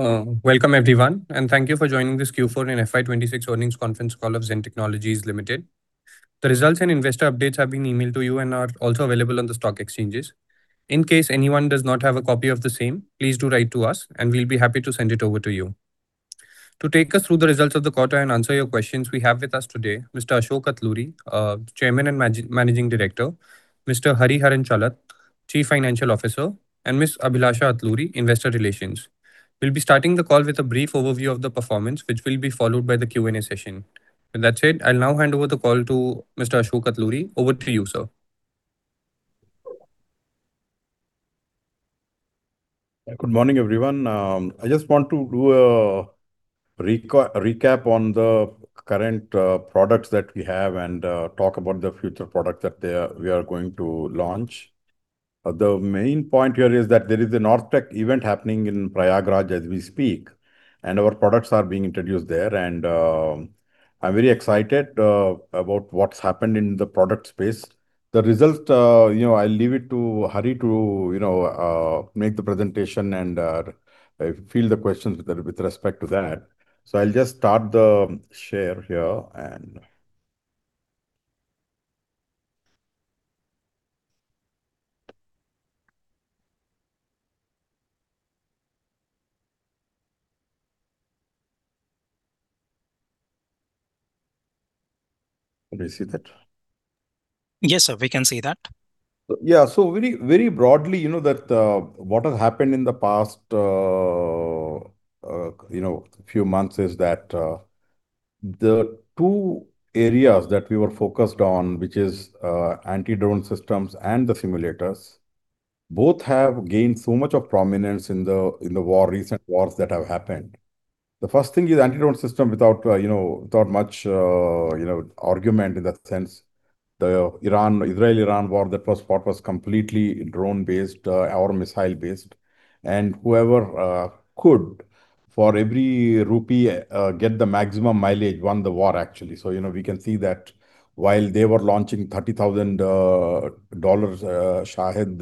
Welcome everyone, and thank you for joining this Q4 and FY 2026 earnings conference call of Zen Technologies Limited. The results and investor updates have been emailed to you and are also available on the stock exchanges. In case anyone does not have a copy of the same, please do write to us and we'll be happy to send it over to you. To take us through the results of the quarter and answer your questions we have with us today, Mr. Ashok Atluri, Chairman and Managing Director; Mr. Hariharan Chalat, Chief Financial Officer; and Ms. Abhilasha Atluri, Investor Relations. We'll be starting the call with a brief overview of the performance, which will be followed by the Q&A session. With that said, I'll now hand over the call to Mr. Ashok Atluri. Over to you, sir. Good morning, everyone. I just want to do a recap on the current products that we have and talk about the future products that we are going to launch. The main point here is that there is a North Tech event happening in Prayagraj as we speak, and our products are being introduced there. I'm very excited about what's happened in the product space. The result, you know, I'll leave it to Hari to, you know, make the presentation and field the questions with respect to that. I'll just start the share here. Can you see that? Yes, sir. We can see that. Yeah. Very, very broadly, you know that, what has happened in the past, you know, few months is that the two areas that we were focused on, which is anti-drone systems and the simulators, both have gained so much of prominence in the war, recent wars that have happened. The first thing is anti-drone system without, you know, without much, you know, argument in that sense. The Iran, Israel-Iran war, that first part was completely drone-based or missile based. Whoever could for every rupee get the maximum mileage won the war actually. You know, we can see that while they were launching $30,000 Shahed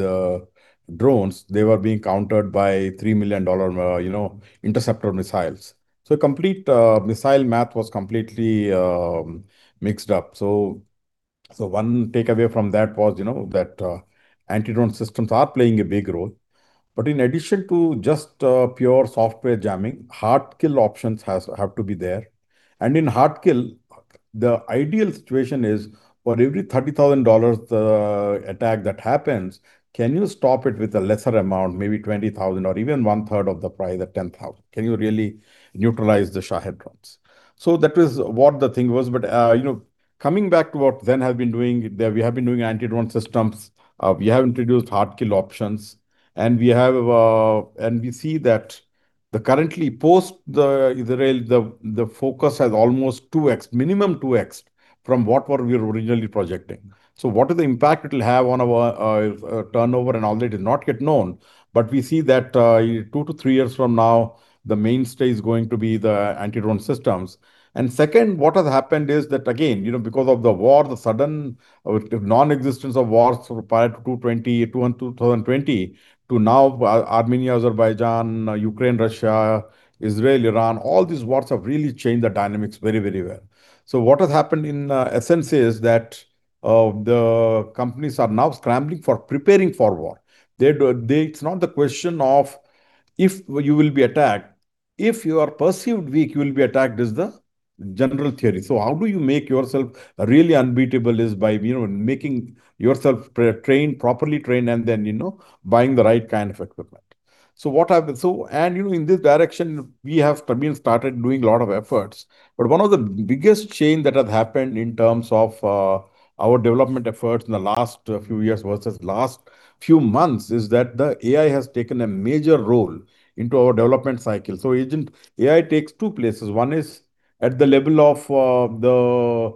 drones, they were being countered by $3 million, you know, interceptor missiles. Complete missile math was completely mixed up. One takeaway from that was, you know, that anti-drone systems are playing a big role. In addition to just pure software jamming, hard kill options have to be there. In hard kill, the ideal situation is for every $30,000 attack that happens, can you stop it with a lesser amount, maybe $20,000 or even 1/3 of the price at $10,000? Can you really neutralize the Shahed drones? That was what the thing was. You know, coming back to what Zen have been doing there, we have been doing anti-drone systems. We have introduced hard kill options, and we see that currently post the Israel, the focus has almost 2x, minimum 2x from what we were originally projecting. What are the impact it'll have on our turnover and all that is not yet known. We see that two to three years from now, the mainstay is going to be the anti-drone systems. Second, what has happened is that again, you know, because of the war, the sudden non-existence of wars prior to 2022 and 2020, to now Armenia, Azerbaijan, Ukraine, Russia, Israel, Iran, all these wars have really changed the dynamics very, very well. What has happened in essence is that the companies are now scrambling for preparing for war. It's not the question of if you will be attacked. If you are perceived weak, you will be attacked is the general theory. How do you make yourself really unbeatable is by, you know, making yourself pre-trained, properly trained, and then, you know, buying the right kind of equipment. What happened? You know, in this direction, we have, I mean, started doing a lot of efforts. One of the biggest change that has happened in terms of our development efforts in the last few years versus last few months, is that the AI has taken a major role into our development cycle. Agent AI takes two places. One is at the level of the,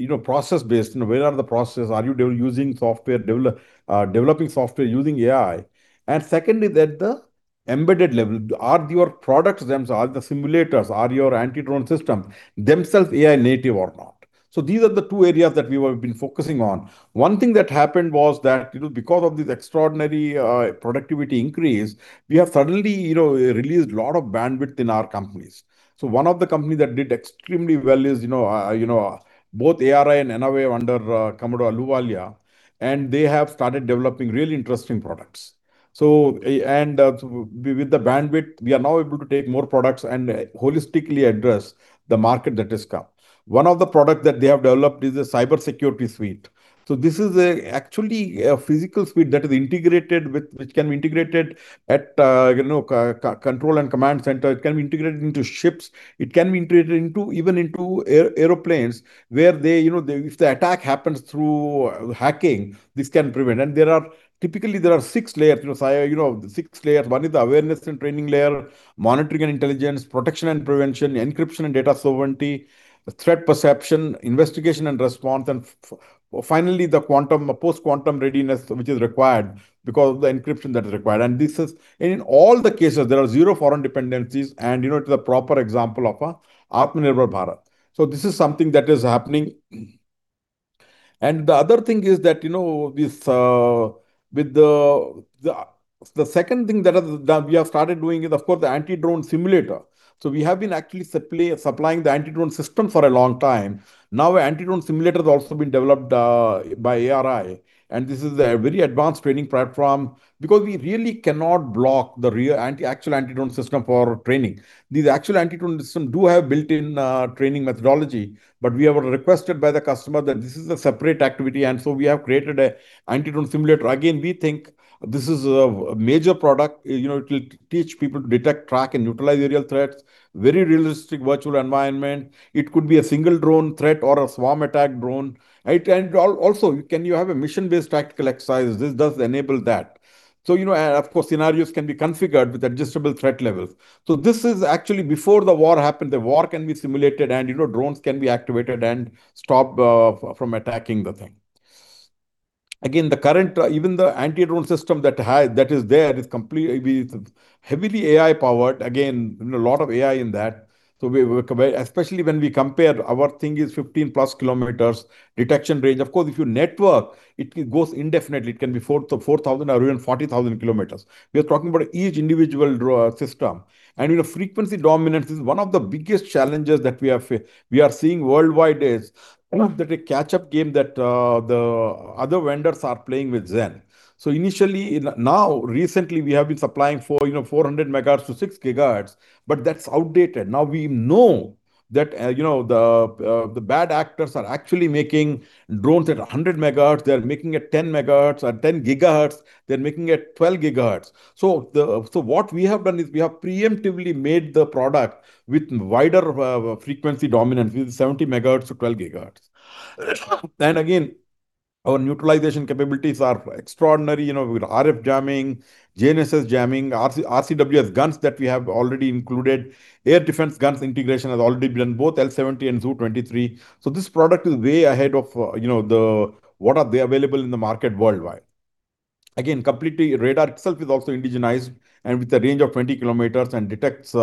you know, process based. You know, where are the processes? Are you developing software using AI? Secondly, that the embedded level. Are your products themselves, are the simulators, are your anti-drone systems themselves AI native or not? These are the two areas that we have been focusing on. One thing that happened was that, you know, because of this extraordinary productivity increase, we have suddenly, you know, released a lot of bandwidth in our companies. One of the company that did extremely well is, you know, both ARI and Anawave under Commodore Ahluwalia, and they have started developing really interesting products. And with the bandwidth, we are now able to take more products and holistically address the market that has come. One of the products that they have developed is a cybersecurity suite. This is actually a physical suite that is integrated which can be integrated at, you know, control and command center. It can be integrated into ships. It can be integrated into, even into aeroplanes where they, you know, if the attack happens through hacking, this can prevent. There are typically, you know, six layers. One is the awareness and training layer, monitoring and intelligence, protection and prevention, encryption and data sovereignty, threat perception, investigation and response, and finally, the quantum, post-quantum readiness, which is required because of the encryption that is required. This is, in all the cases, there are zero foreign dependencies and, you know, it's a proper example of Atmanirbhar Bharat. This is something that is happening. The other thing is that, you know, with the second thing that has, that we have started doing is, of course, the anti-drone simulator. We have been actually supplying the anti-drone system for a long time. Anti-drone simulator has also been developed by ARI, and this is a very advanced training platform. We really cannot block the actual anti-drone system for training. These actual anti-drone system do have built-in training methodology, but we were requested by the customer that this is a separate activity, and so we have created anti-drone simulator. Again, we think this is a major product. You know, it will teach people to detect, track, and utilize aerial threats. Very realistic virtual environment. It could be a single drone threat or a swarm attack drone. Also can you have a mission-based tactical exercise. This does enable that. You know, of course, scenarios can be configured with adjustable threat levels. This is actually before the war happened. The war can be simulated and, you know, drones can be activated and stopped from attacking the thing. Again, the current, even the anti-drone system that is there is heavily AI-powered. Again, you know, a lot of AI in that. We, especially when we compare our thing is 15+ Km detection range. Of course, if you network, it goes indefinitely. It can be 4,000 Km or even 40,000 Km. We are talking about each individual system. You know, frequency dominance is one of the biggest challenges that we are seeing worldwide is, that a catch-up game that the other vendors are playing with Zen. Initially in, now recently, we have been supplying 400 MHz to 6 GHz, but that's outdated. We know that, you know, the bad actors are actually making drones at 100 MHz. They are making at 10 MHz, at 10 GHz. They're making at 12 GHz. What we have done is we have preemptively made the product with wider frequency dominance with 70 MHz to 12 GHz. Our neutralization capabilities are extraordinary. You know, with RF jamming, GNSS jamming, RCWS guns that we have already included. Air defense guns integration has already been both L70 and ZU-23. This product is way ahead of, you know, the, what are they available in the market worldwide. Completely radar itself is also indigenized, and with a range of 20 Km and detects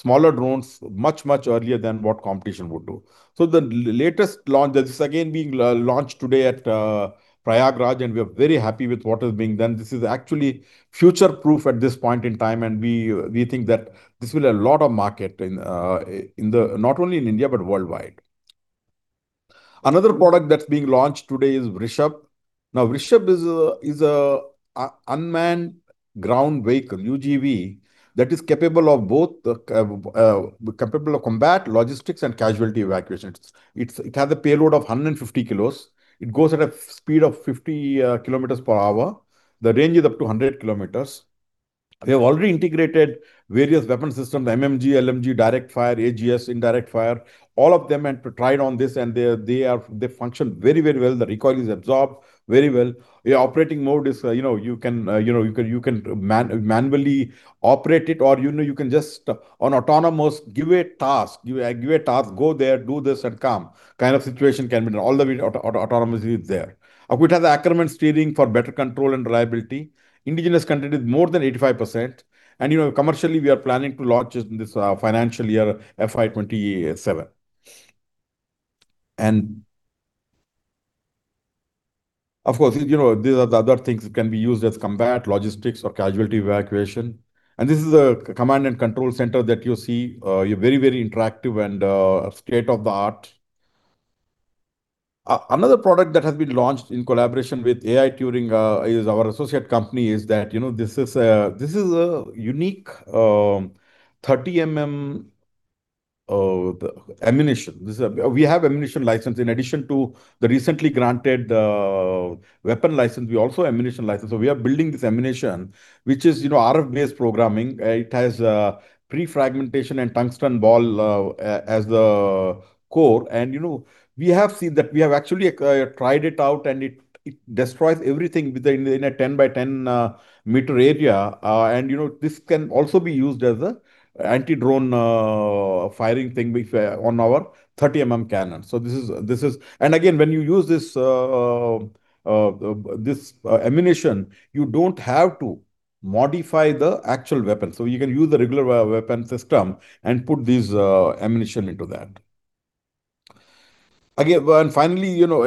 smaller drones much, much earlier than what competition would do. The latest launch that is again being launched today at Prayagraj, and we are very happy with what is being done. This is actually future-proof at this point in time, and we think that this will a lot of market in the, not only in India, but worldwide. Another product that's being launched today is Vrishabh. Now, Vrishabh is a unmanned ground vehicle, UGV, that is capable of both the capable of combat, logistics, and casualty evacuation. It has a payload of 150 kilos. It goes at a speed of 50 Km/h. The range is up to 100 Km. We have already integrated various weapon systems, MMG, LMG, direct fire, AGS, indirect fire, all of them, and tried on this, and they function very well. The recoil is absorbed very well. The operating mode is, you know, you can, you know, you can manually operate it, or, you know, you can just on autonomous give a task. Give a task, go there, do this, and come kind of situation can be done. All the way autonomously is there. It has Ackermann steering for better control and reliability. Indigenous content is more than 85%. You know, commercially, we are planning to launch this financial year FY 2027. Of course, you know, these are the other things. It can be used as combat, logistics, or casualty evacuation. This is a command and control center that you see, very interactive and state-of-the-art. Another product that has been launched in collaboration with Aituring, is our associate company, is that, you know, this is a, this is a unique 30mm ammunition. We have ammunition license. In addition to the recently granted weapon license, we also ammunition license. We are building this ammunition, which is, you know, RF-based programming. It has pre-fragmentation and tungsten ball as the core. You know, we have seen that. We have actually tried it out, and it destroys everything within, in a 10-by-10 meter area. You know, this can also be used as a anti-drone firing thing on our 30mm cannon. This is. Again, when you use this ammunition, you don't have to modify the actual weapon. You can use the regular weapon system and put this ammunition into that. Well, finally, you know,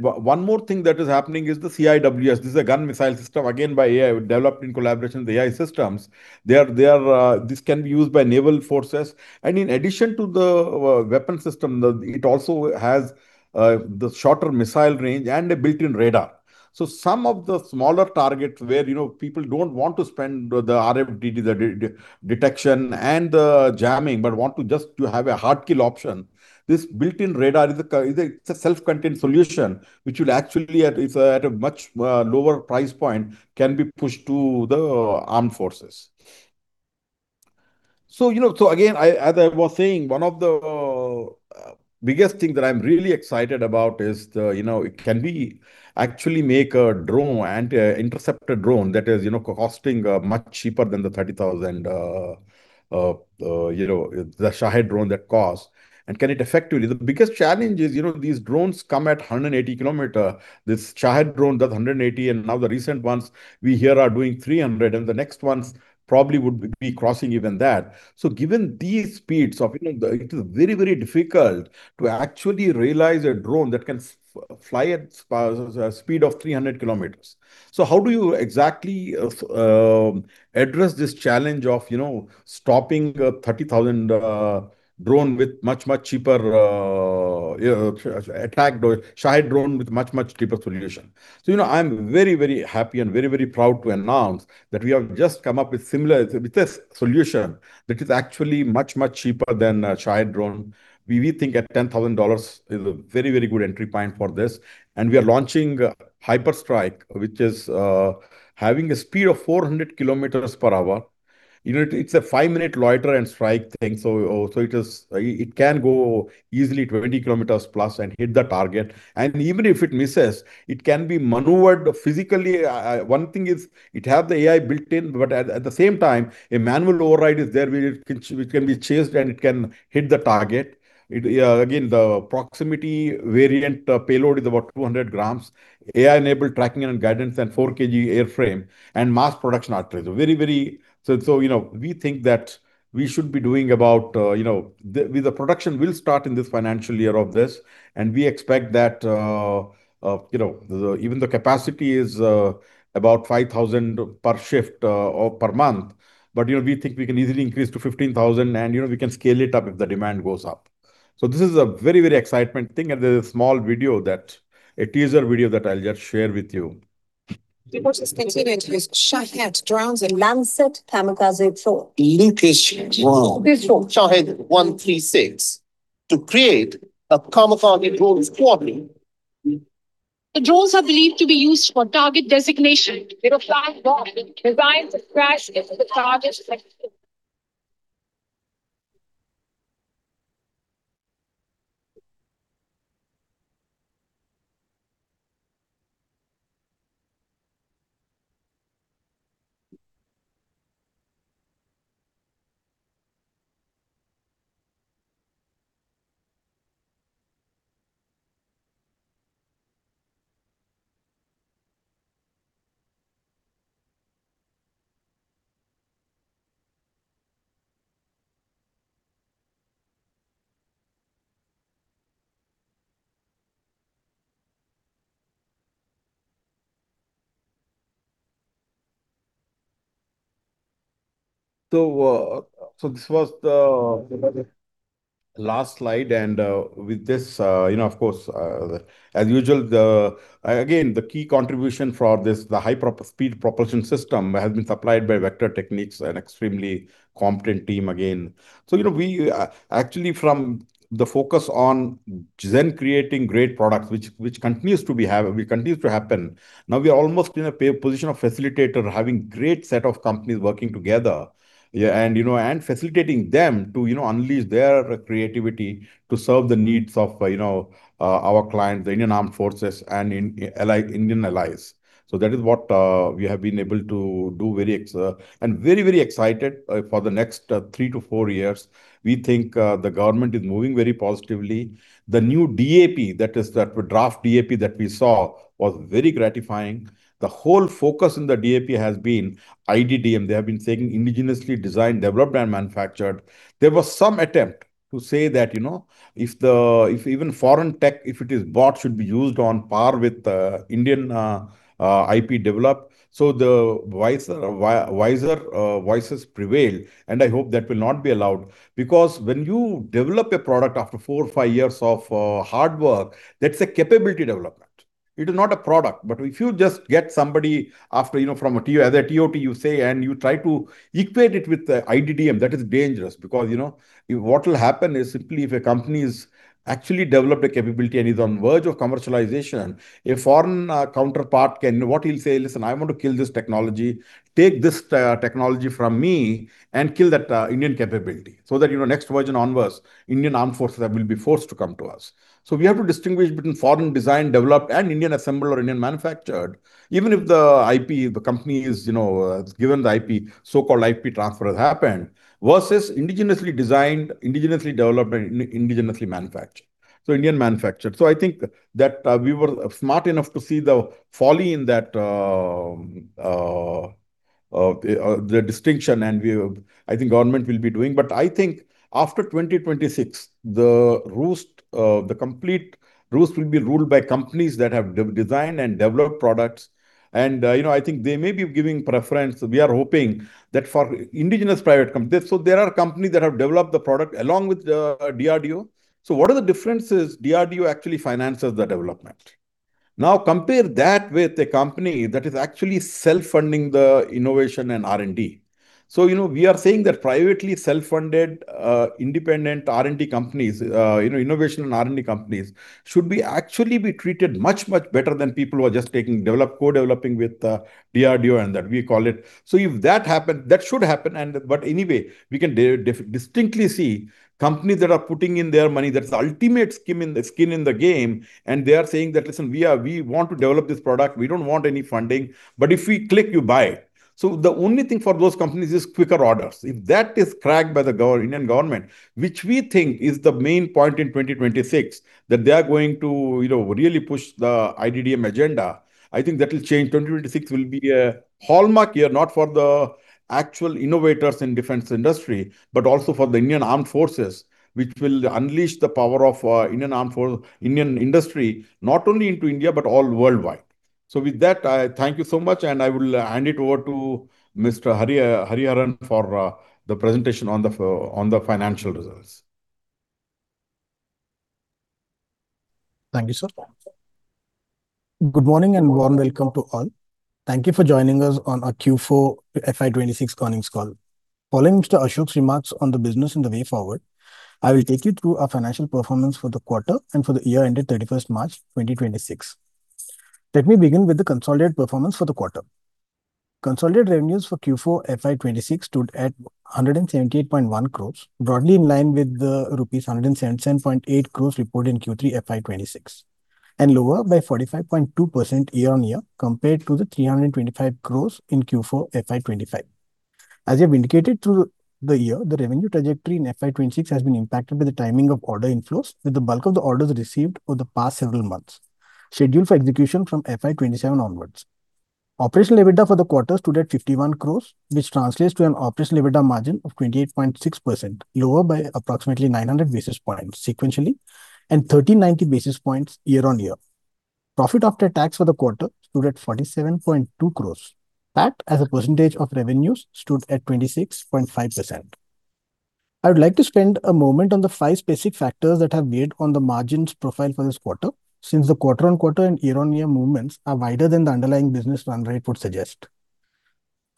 one more thing that is happening is the CIWS. This is a gun missile system, again by AI, developed in collaboration with AI systems. This can be used by naval forces. In addition to the weapon system, it also has the shorter missile range and a built-in radar. Some of the smaller targets where, you know, people don't want to spend the RFDT, the detection and the jamming, but want to just to have a hard kill option, this built-in radar is a self-contained solution, which will actually at a much lower price point can be pushed to the armed forces. You know, so again, I, as I was saying, one of the biggest thing that I'm really excited about is the, you know, can we actually make a drone, anti-interceptor drone that is, you know, costing much cheaper than the $30,000, you know, the Shahed drone that cost, and can it effectively. The biggest challenge is, you know, these drones come at 180 Km This Shahed drone does 180 Km. Now the recent ones we hear are doing 300 Km, and the next ones probably would be crossing even that. Given these speeds of, you know, it is very, very difficult to actually realize a drone that can fly at speed of 300 Km. How do you exactly address this challenge of, you know, stopping a $30,000 drone with much cheaper attack Shahed drone with much cheaper solution? You know, I'm very happy and very proud to announce that we have just come up with similar, with this solution that is actually much cheaper than a Shahed drone. We think at $10,000 is a very good entry point for this. We are launching HyperStrike, which is having a speed of 400 Km/h. You know, it's a five-minute loiter and strike thing, so it is, it can go easily 20+ Km and hit the target. Even if it misses, it can be maneuvered physically. One thing is it have the AI built in, but at the same time, a manual override is there where it can be chased and it can hit the target. It, again, the proximity variant, payload is about 200 grams. AI-enabled tracking and guidance and 4 kg airframe and mass production-ready. Very, you know, we think that we should be doing about, you know, with the production will start in this financial year of this, and we expect that, you know, even the capacity is about 5,000 per shift or per month. You know, we think we can easily increase to 15,000 and, you know, we can scale it up if the demand goes up. This is a very, very excitement thing, and there's a small video that, a teaser video that I'll just share with you. Russia is continuing to use Shahed drones and Lancet kamikaze too. Latest drone. This one. Shahed 136 to create a kamikaze drone squadron. The drones are believed to be used for target designation. They will fly to target, whereby to crash into the target section. This was the last slide. With this, you know, of course, as usual, the again, the key contribution for this, the high-speed propulsion system has been supplied by Vector Technics, an extremely competent team again. You know, we actually from the focus on then creating great products which continues to be happen, will continues to happen. Now we are almost in a position of facilitator, having great set of companies working together. Yeah, you know, facilitating them to, you know, unleash their creativity to serve the needs of our clients, the Indian Armed Forces and Indian allies. That is what we have been able to do and very, very excited for the next three to four years. We think the government is moving very positively. The new DAP, that is, the draft DAP that we saw was very gratifying. The whole focus in the DAP has been IDDM. They have been saying indigenously designed, developed and manufactured. There was some attempt to say that, you know, if the, if even foreign tech, if it is bought, should be used on par with Indian IP developed. The wiser voices prevailed, and I hope that will not be allowed. Because when you develop a product after four or five years of hard work, that's a capability development. It is not a product. If you just get somebody after, you know, from a TOT you say, and you try to equate it with the IDDM, that is dangerous. You know, what will happen is simply if a company is actually developed a capability and is on verge of commercialization, a foreign counterpart can, what he'll say, "Listen, I want to kill this technology. Take this technology from me and kill that Indian capability, so that, you know, next version onwards, Indian Armed Forces will be forced to come to us." We have to distinguish between foreign designed, developed and Indian assembled or Indian manufactured. Even if the IP, the company is, you know, given the IP, so-called IP transfer has happened, versus indigenously designed, indigenously developed and indigenously manufactured. Indian manufactured. I think that we were smart enough to see the folly in that the distinction and we, I think government will be doing. I think after 2026, the roost, the complete roost will be ruled by companies that have designed and developed products. you know, I think they may be giving preference, we are hoping, that for indigenous private. There are companies that have developed the product along with the DRDO. What are the differences? DRDO actually finances the development. compare that with a company that is actually self-funding the innovation and R&D. you know, we are saying that privately self-funded, independent R&D companies, you know, innovation and R&D companies should be actually treated much better than people who are just taking co-developing with DRDO and that we call it. If that happen, that should happen. Anyway, we can distinctly see companies that are putting in their money, that's the ultimate skin in the game and they are saying that, "Listen, we want to develop this product. We don't want any funding." If we click, you buy. The only thing for those companies is quicker orders. If that is cracked by the Indian government, which we think is the main point in 2026, that they are going to, you know, really push the IDDM agenda. I think that'll change. 2026 will be a hallmark year, not for the actual innovators in defense industry, but also for the Indian Armed Forces, which will unleash the power of Indian Armed Force, Indian industry, not only into India, but all worldwide. With that, I thank you so much, and I will hand it over to Mr. Hari Haran for the presentation on the financial results. Thank you, sir. Good morning and warm welcome to all. Thank you for joining us on our Q4 FY 2026 earnings call. Following Mr. Ashok's remarks on the business and the way forward, I will take you through our financial performance for the quarter and for the year ended 31st March 2026. Let me begin with the consolidated performance for the quarter. Consolidated revenues for Q4 FY 2026 stood at INR 178.1 crores, broadly in line with the INR 177.8 crores reported in Q3 FY 2026, and lower by 45.2% year-on-year compared to the 325 crores in Q4 FY 2025. As we have indicated through the year, the revenue trajectory in FY 2026 has been impacted by the timing of order inflows, with the bulk of the orders received over the past several months scheduled for execution from FY 2027 onwards. Operational EBITDA for the quarter stood at 51 crores, which translates to an operational EBITDA margin of 28.6%, lower by approximately 900 basis points sequentially and 1,390 basis points year-on-year. Profit after tax for the quarter stood at 47.2 crores. PAT as a percentage of revenues stood at 26.5%. I would like to spend a moment on the five specific factors that have weighed on the margins profile for this quarter, since the quarter-on-quarter and year-on-year movements are wider than the underlying business run rate would suggest.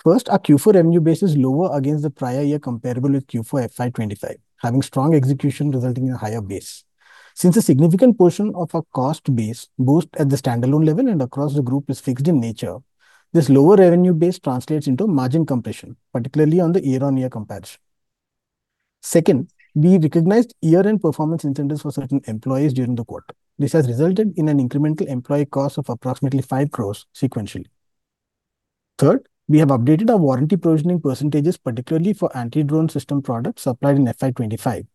First, our Q4 revenue base is lower against the prior year comparable with Q4 FY 2025, having strong execution resulting in a higher base. Since a significant portion of our cost base, both at the standalone level and across the group, is fixed in nature, this lower revenue base translates into margin compression, particularly on the year-on-year comparison. Second, we recognized year-end performance incentives for certain employees during the quarter. This has resulted in an incremental employee cost of approximately 5 crores sequentially. Third, we have updated our warranty provisioning percentages, particularly for anti-drone system products supplied in FY 2025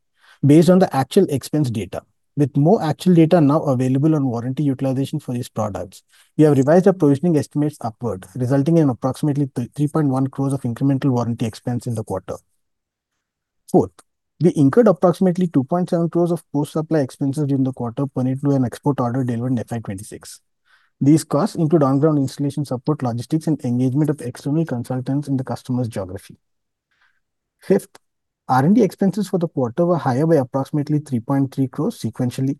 based on the actual expense data. With more actual data now available on warranty utilization for these products, we have revised our provisioning estimates upward, resulting in approximately 3.1 crores of incremental warranty expense in the quarter. We incurred approximately 2.7 crores of post-supply expenses during the quarter pertaining to an export order delivered in FY 2026. These costs include on-ground installation support, logistics and engagement of external consultants in the customer's geography. Fifth, R&D expenses for the quarter were higher by approximately 3.3 crores sequentially.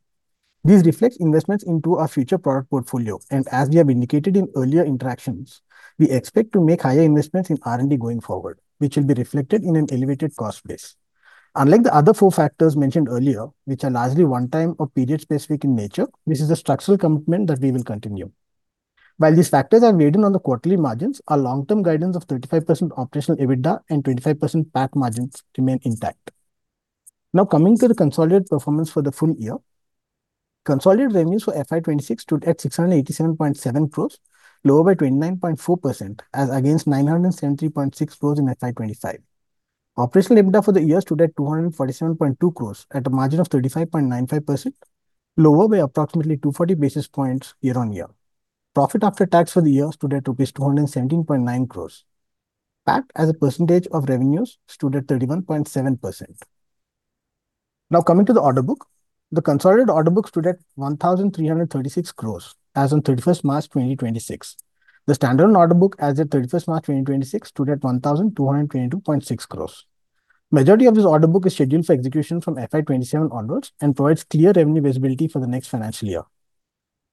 This reflects investments into our future product portfolio. As we have indicated in earlier interactions, we expect to make higher investments in R&D going forward, which will be reflected in an elevated cost base. Unlike the other four factors mentioned earlier, which are largely one-time or period specific in nature, this is a structural commitment that we will continue. While these factors are weighted on the quarterly margins, our long-term guidance of 35% operational EBITDA and 25% PAT margins remain intact. Coming to the consolidated performance for the full year. Consolidated revenues for FY 2026 stood at 687.7 crores, lower by 29.4% as against 973.6 crores in FY 2025. Operational EBITDA for the year stood at 247.2 crores at a margin of 35.95%, lower by approximately 240 basis points year-on-year. Profit after tax for the year stood at INR 217.9 crores. PAT as a percentage of revenues stood at 31.7%. Now, coming to the order book. The consolidated order book stood at 1,336 crores as on 31st March 2026. The standalone order book as of 31st March 2026 stood at 1,222.6 crores. Majority of this order book is scheduled for execution from FY 2027 onwards and provides clear revenue visibility for the next financial year.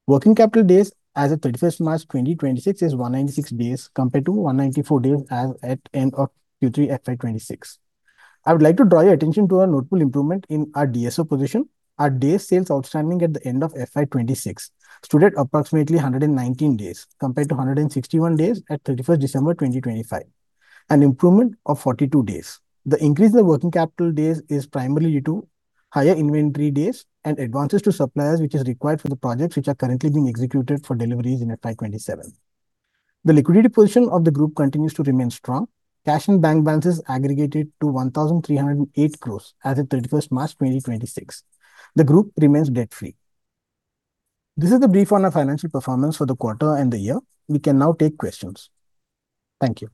Working capital days as of 31st March, 2026 is 196 days compared to 194 days as at end of Q3 FY 2026. I would like to draw your attention to a notable improvement in our DSO position. Our days sales outstanding at the end of FY 2026 stood at approximately 119 days compared to 161 days at 31st December, 2025, an improvement of 42 days. The increase in the working capital days is primarily due to higher inventory days and advances to suppliers, which is required for the projects which are currently being executed for deliveries in FY 2027. The liquidity position of the group continues to remain strong. Cash and bank balances aggregated to 1,308 crores as of 31st March 2026. The group remains debt-free. This is the brief on our financial performance for the quarter and the year. We can now take questions. Thank you.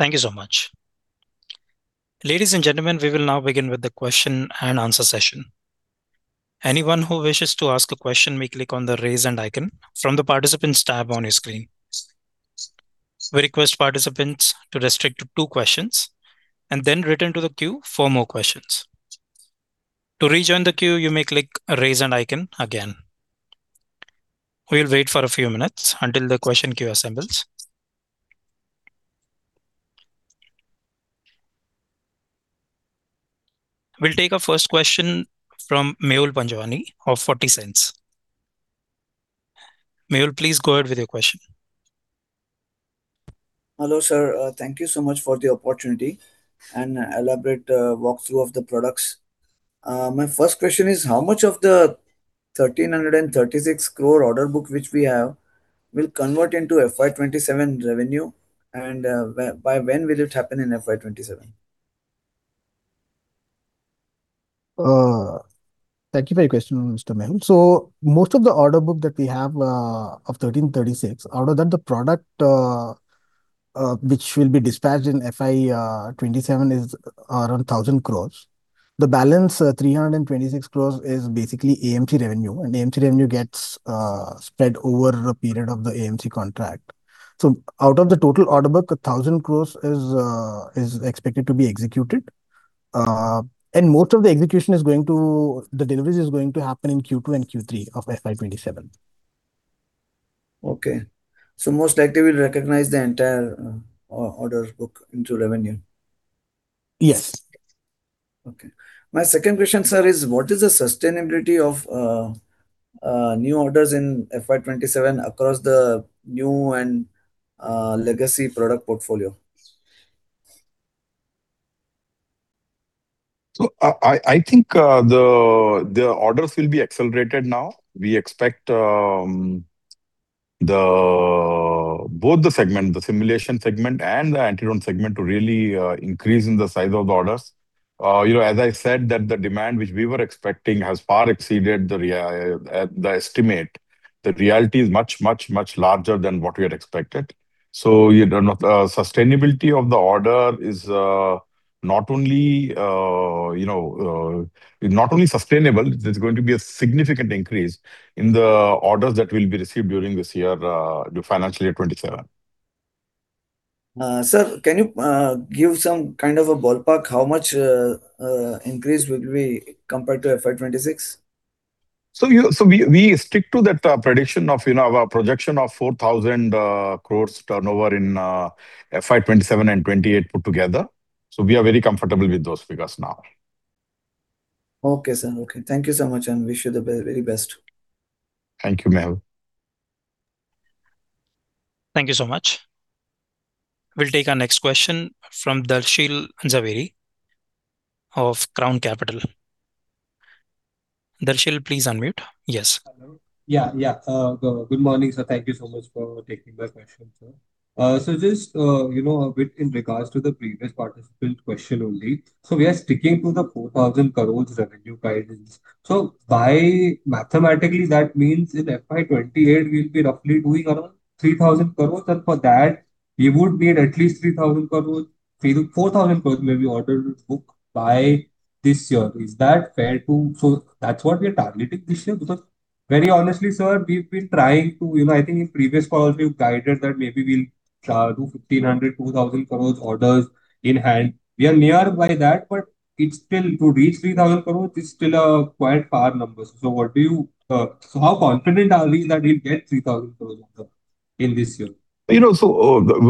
Thank you so much. Ladies and gentlemen, we will now begin with the question-and-answer session. Anyone who wishes to ask a question may click on the Raise Hand icon from the Participants tab on your screen. We request participants to restrict to two questions and then return to the queue for more questions. We'll take our first question from Mehul Panjwani of 40 Cents. Mehul, please go ahead with your question. Hello, sir. Thank you so much for the opportunity and elaborate walkthrough of the products. My first question is, how much of the 1,336 crore order book which we have will convert into FY 2027 revenue, and by when will it happen in FY 2027? Thank you for your question, Mr. Mehul. Most of the order book that we have, of 1,336 crores, out of that, the product, which will be dispatched in FY 2027 is around 1,000 crores. The balance, 326 crores is basically AMC revenue, and the AMC revenue gets spread over a period of the AMC contract. Out of the total order book, 1,000 crores is expected to be executed. Most of the execution is going to happen in Q2 and Q3 of FY 2027. Okay. Most likely we'll recognize the entire order book into revenue? Yes. Okay. My second question, sir, is what is the sustainability of new orders in FY 2027 across the new and legacy product portfolio? I think, the orders will be accelerated now. We expect, both the segment, the simulation segment and the anti-drone segment to really increase in the size of the orders. You know, as I said that the demand which we were expecting has far exceeded the estimate. The reality is much larger than what we had expected. You know, the sustainability of the order is not only, you know, it not only sustainable, there's going to be a significant increase in the orders that will be received during this year, the financial year 2027. Sir, can you give some kind of a ballpark how much increase would we compared to FY 2026? We stick to that prediction of, you know, our projection of 4,000 crores turnover in FY 2027 and 2028 put together. We are very comfortable with those figures now. Okay, sir. Okay. Thank you so much, and wish you the very best. Thank you, Mehul. Thank you so much. We'll take our next question from Darshil Jhaveri of Crown Capital. Darshil, please unmute. Yes. Hello. Yeah, yeah, good morning, sir. Thank you so much for taking my question, sir. Just a bit in regards to the previous participant question only. We are sticking to the 4,000 crores revenue guidance. Mathematically that means in FY 2028 we'll be roughly doing around 3,000 crores, and for that we would need at least 3,000 crores, 3,000 crores-4,000 crores maybe order to book by this year. Is that fair? That's what we are targeting this year? Very honestly, sir, we've been trying to in previous calls we've guided that maybe we'll do 1,500 crores, 2,000 crores orders in hand. We are nearby that, it's still to reach 3,000 crores is still quite far numbers. How confident are we that we'll get 3,000 crore order in this year? You know,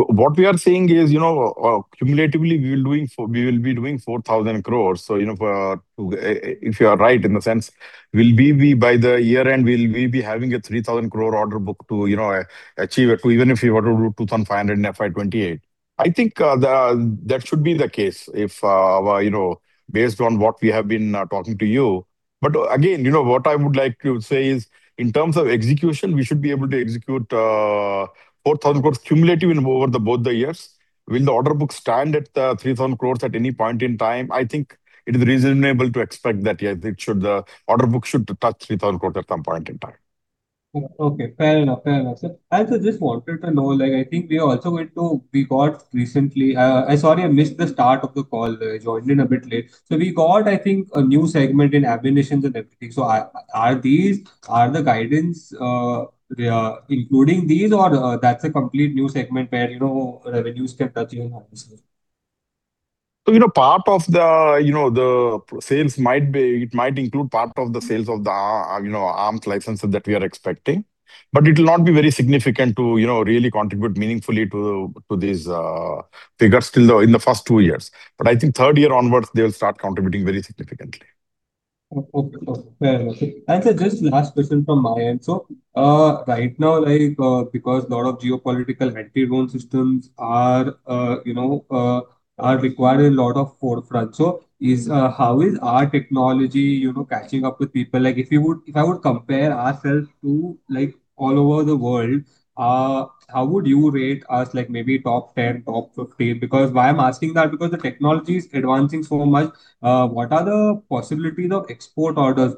what we are saying is, you know, cumulatively we will be doing 4,000 crores. You know, If you are right in the sense, will we be by the year end, will we be having a 3,000 crore order book to, you know, achieve it, even if we were to do 2,500 in FY 2028. I think, that should be the case if, you know, based on what we have been talking to you. Again, you know, what I would like to say is in terms of execution, we should be able to execute 4,000 crores cumulative in over the both the years. Will the order book stand at 3,000 crores at any point in time? I think it is reasonable to expect that, yes, it should, order book should touch 3,000 crores at some point in time. Okay. Fair enough. Fair enough, sir. I just wanted to know, like, I think we got recently. Sorry, I missed the start of the call. I joined in a bit late. We got, I think, a new segment in ammunition and everything. Are these, are the guidance they are including these or, that's a complete new segment where, you know, revenues can touch new highs, sir? You know, part of the, you know, the sales might be, it might include part of the sales of the, you know, arms licenses that we are expecting, but it will not be very significant to, you know, really contribute meaningfully to these figures till the, in the first two years. I think third year onwards they will start contributing very significantly. Okay. Fair enough. Sir, just last question from my end. Right now, like, because lot of geopolitical anti-drone systems are, you know, are required a lot of forefront. How is our technology, you know, catching up with people? Like, if you would, if I would compare ourself to, like, all over the world, how would you rate us? Like, maybe top 10, top 15. Why I'm asking that, because the technology is advancing so much, what are the possibilities of export orders?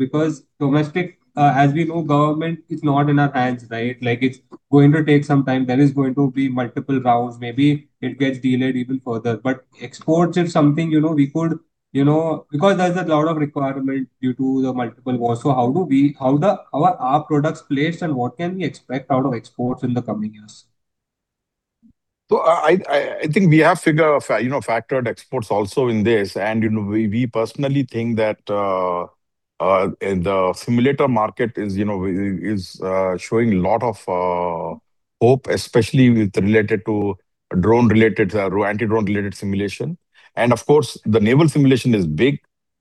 Domestic, as we know, government is not in our hands, right? Like, it's going to take some time. There is going to be multiple rounds. Maybe it gets delayed even further. Exports is something, you know, we could, you know, because there's a lot of requirement due to the multiple wars. How are our products placed and what can we expect out of exports in the coming years? I think we have, you know, factored exports also in this. You know, we personally think that the simulator market is, you know, showing a lot of hope, especially with related to drone-related, anti-drone related simulation. The naval simulation is big.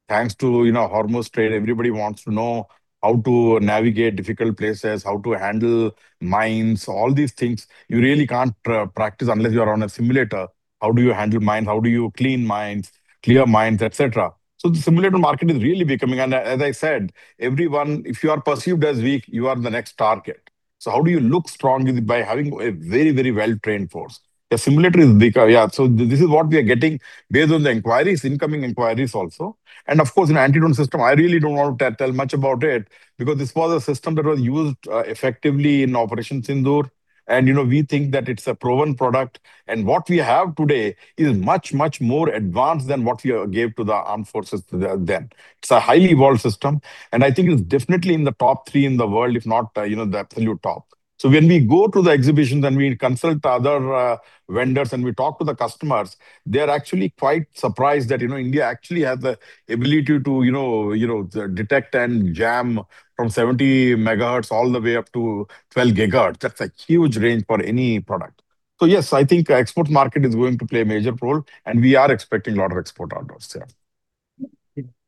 Thanks to, you know, Strait of Hormuz, everybody wants to know how to navigate difficult places, how to handle mines, all these things. You really can't practice unless you're on a simulator. How do you handle mines? How do you clean mines, clear mines, et cetera? The simulator market is really becoming. As I said, everyone, if you are perceived as weak, you are the next target. How do you look strong is by having a very, very well-trained force. The simulator is bigger. This is what we are getting based on the inquiries, incoming inquiries also. Of course, in anti-drone system, I really don't want to tell much about it, because this was a system that was used effectively in Operation Sindoor. You know, we think that it's a proven product. What we have today is much, much more advanced than what we gave to the armed forces then. It's a highly evolved system, and I think it's definitely in the top three in the world, if not, you know, the absolute top. When we go to the exhibitions and we consult other vendors and we talk to the customers, they're actually quite surprised that, you know, India actually has the ability to, you know, you know, detect and jam from 70 Mhz all the way up to 12 Ghz. That's a huge range for any product. Yes, I think export market is going to play a major role, and we are expecting a lot of export orders, yeah.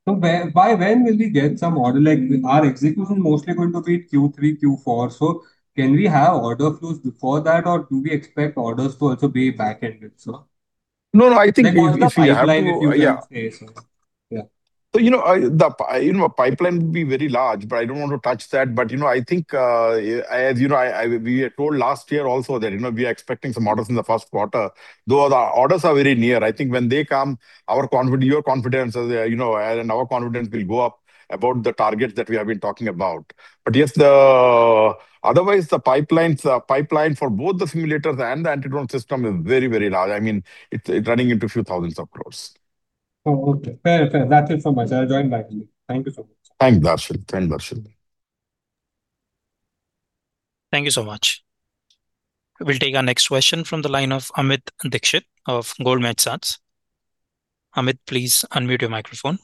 By when will we get some order? Our execution mostly going to be Q3, Q4, can we have order flows before that or do we expect orders to also be back ended, sir? No, no, I think we have to. Like, what's the pipeline, if you can say, sir? Yeah. You know, pipeline would be very large, but I don't want to touch that. You know, I think, as you know, we had told last year also that, you know, we are expecting some orders in the first quarter. Though the orders are very near, I think when they come, your confidence as a, you know, and our confidence will go up about the targets that we have been talking about. Yes, the, otherwise the pipelines, pipeline for both the simulators and the anti-drone system is very, very large. I mean, running into a few thousands of crores. Oh, okay. Fair, fair. That's it from my side. I'll join back. Thank you so much. Thanks, Darshil. Thanks, Darshil. Thank you so much. We'll take our next question from the line of Amit Dixit of ICICI Securities. Amit, please unmute your microphone.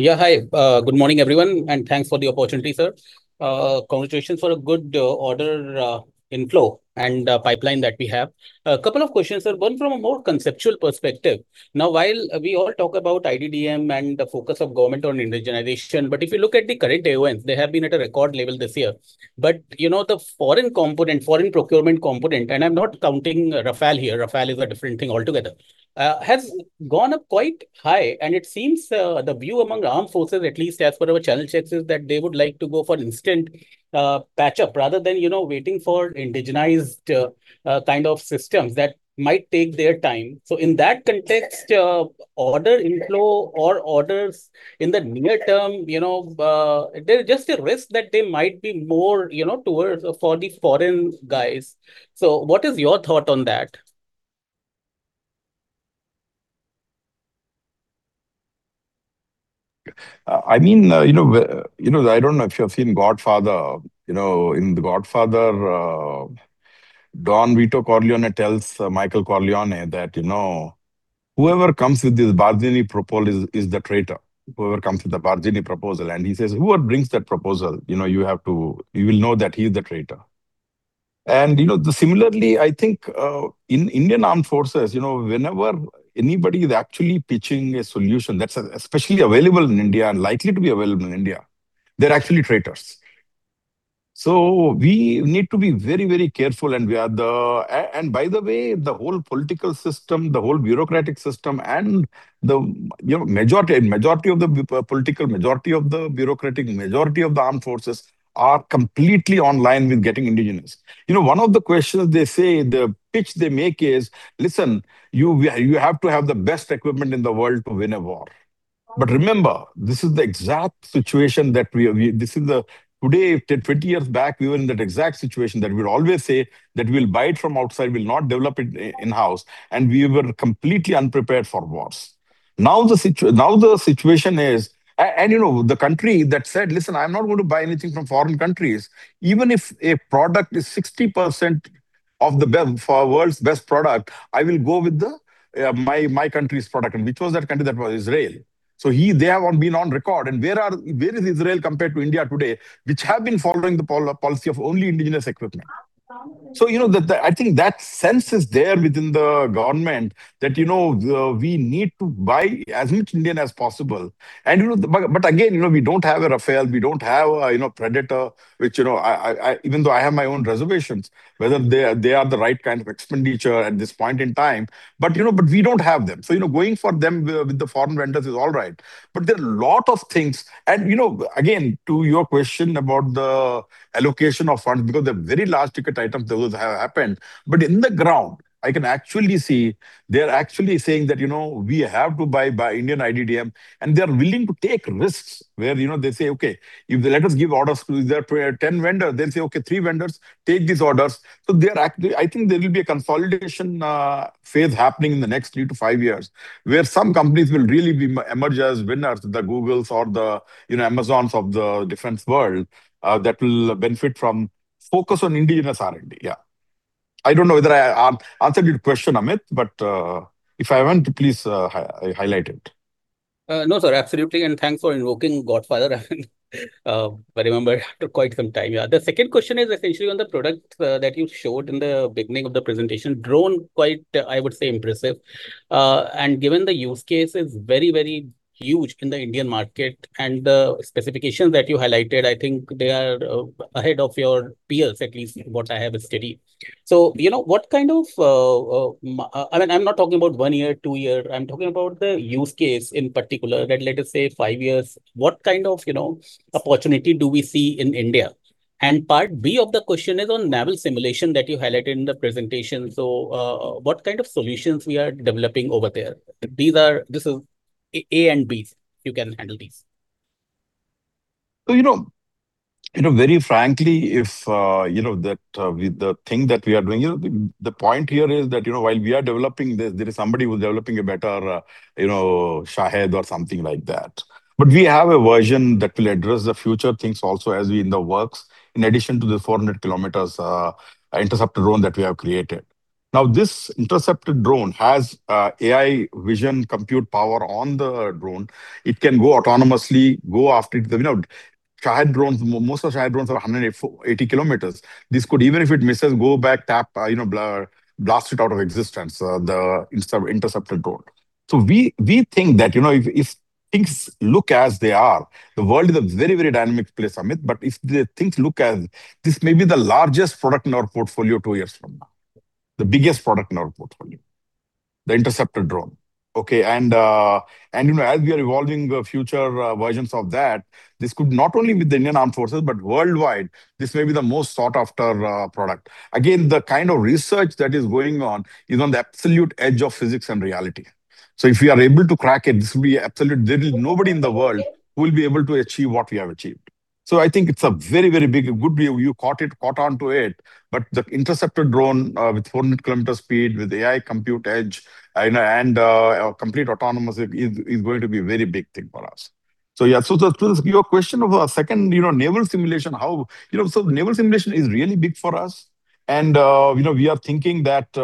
Yeah, hi. Good morning everyone, thanks for the opportunity, sir. Congratulations for a good order inflow and the pipeline that we have. A couple of questions, sir. One from a more conceptual perspective. While we all talk about IDDM and the focus of government on indigenization, but if you look at the current AONs, they have been at a record level this year. You know, the foreign component, foreign procurement component, and I'm not counting Rafale here, Rafale is a different thing altogether, has gone up quite high. It seems the view among armed forces, at least as per our channel checks, is that they would like to go for instant patch up rather than, you know, waiting for indigenized kind of systems that might take their time. In that context, order inflow or orders in the near term, you know, there's just a risk that they might be more, you know, towards for the foreign guys. What is your thought on that? I mean, you know, you know, I don't know if you have seen The Godfather. You know, in The Godfather, Don Vito Corleone tells Michael Corleone that, you know, "Whoever comes with this bargaining propo- is the traitor. Whoever comes with the bargaining proposal." He says, "Whoever brings that proposal, you know, you have to, you will know that he's the traitor." You know, similarly, I think, in Indian armed forces, you know, whenever anybody is actually pitching a solution that's especially available in India and likely to be available in India, they're actually traitors. We need to be very, very careful, and we are the... By the way, the whole political system, the whole bureaucratic system, and the, you know, majority of the political, majority of the bureaucratic, majority of the armed forces are completely online with getting indigenous. You know, one of the questions they say, the pitch they make is, "Listen, you have to have the best equipment in the world to win a war." Remember, this is the exact situation that we. Today, 20 years back, we were in that exact situation that we'd always say that we'll buy it from outside, we'll not develop it in-house, and we were completely unprepared for wars. Now the situation is. You know, the country that said, "Listen, I'm not going to buy anything from foreign countries. Even if a product is 60% of the be- for world's best product, I will go with the my country's product. Which was that country? That was Israel. He, they have been on record. Where are, where is Israel compared to India today, which have been following the policy of only indigenous equipment? You know, the, I think that sense is there within the government that, you know, we need to buy as much Indian as possible. You know, but again, you know, we don't have a Rafale, we don't have a, you know, Predator, which, you know, I, even though I have my own reservations whether they are the right kind of expenditure at this point in time. You know, but we don't have them. You know, going for them with the foreign vendors is all right. There are a lot of things. You know, again, to your question about the allocation of funds, because the very large ticket items, those have happened. In the ground, I can actually see they're actually saying that, you know, we have to buy by Indian IDDM, and they are willing to take risks where, you know, they say, "Okay, if they let us give orders to their 10 vendor," they'll say, "Okay, three vendors take these orders." They are I think there will be a consolidation phase happening in the next three to five years, where some companies will really be, emerge as winners, the Googles or the, you know, Amazons of the defense world, that will benefit from focus on indigenous R&D. Yeah. I don't know whether I answered your question, Amit, but if I haven't, please highlight it. No, sir, absolutely, thanks for invoking The Godfather. I remember after quite some time, yeah. The second question is essentially on the product that you showed in the beginning of the presentation. Drone, quite, I would say, impressive. Given the use case is very, very huge in the Indian market, and the specifications that you highlighted, I think they are ahead of your peers, at least what I have studied. You know, what kind of, I mean, I'm not talking about one year, two year. I'm talking about the use case in particular that, let us say, five years. What kind of, you know, opportunity do we see in India? Part B of the question is on naval simulation that you highlighted in the presentation. What kind of solutions we are developing over there? This is A and Bs. You can handle these. You know, you know, very frankly, if, you know, that, the thing that we are doing, you know, the point here is that, you know, while we are developing this, there is somebody who's developing a better, you know, Shahed or something like that. We have a version that will address the future things also as we in the works, in addition to the 400 Km, intercepted drone that we have created. This intercepted drone has AI vision compute power on the drone. It can go autonomously, go after it. You know, Shahed drones, most of Shahed drones are 180 Km. This could, even if it misses, go back, tap, you know, blow, blast it out of existence, the intercepted drone. We think that, you know, if things look as they are, the world is a very dynamic place, Amit, this may be the largest product in our portfolio two years from now. The biggest product in our portfolio, the intercepted drone. Okay. You know, as we are evolving the future versions of that, this could not only be the Indian Armed Forces, but worldwide, this may be the most sought after product. Again, the kind of research that is going on is on the absolute edge of physics and reality. If we are able to crack it, this will be absolute. There will nobody in the world who will be able to achieve what we have achieved. I think it's a very big, a good view. You caught onto it. The intercepted drone, with 400 Km speed, with AI compute edge, you know, and complete autonomous is going to be a very big thing for us. Yeah. To your question of second, you know, naval simulation, how. You know, naval simulation is really big for us. You know, we are thinking that